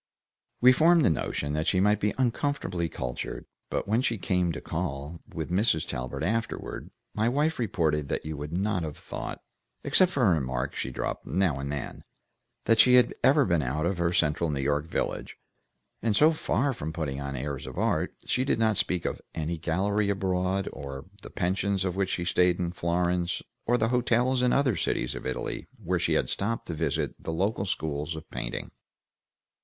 We formed the notion that she might be uncomfortably cultured, but when she came to call with Mrs. Talbert afterward, my wife reported that you would not have thought, except for a remark she dropped now and then, that she had ever been out of her central New York village, and so far from putting on airs of art, she did not speak of any gallery abroad, or of the pensions in which she stayed in Florence, or the hotels in other cities of Italy where she had stopped to visit the local schools of painting.